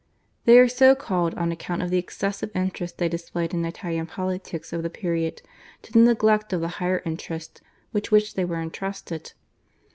They are so called on account of the excessive interest they displayed in Italian politics of the period, to the neglect of the higher interests with which they were entrusted.